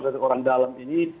dari orang dalam ini